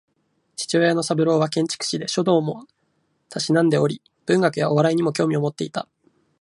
父親の三郎は建築士で、書道も嗜んでおり文学やお笑いにも興味を持っていた